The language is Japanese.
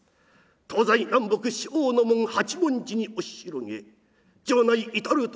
東西南北四方の門八文字に押し広げ城内至る所